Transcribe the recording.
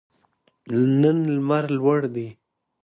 نن لمر لوړ دی